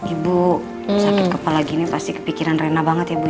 ibu sakit kepala gini pasti kepikiran renah banget ya bu